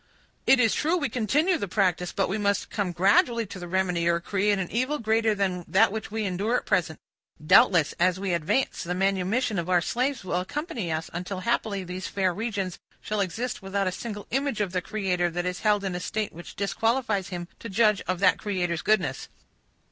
It is true, we continue the practice; but we must come gradually to the remedy, or create an evil greater than that which we endure at present. Doubtless, as we advance, the manumission of our slaves will accompany us, until happily these fair regions shall exist, without a single image of the Creator that is held in a state which disqualifies him to judge of that Creator's goodness."